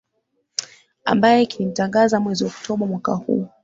ambae kilimtangaza mwezi oktoba mwaka huu